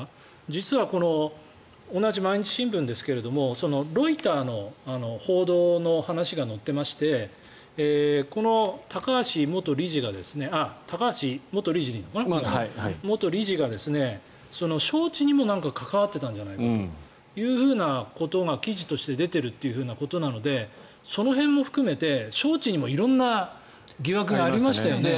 実は同じ毎日新聞ですけどロイターの報道の話が載ってまして高橋元理事が招致にも何か関わってたんじゃないかということが記事として出ているということなのでその辺も含めて招致にも色んな疑惑がありましたよね。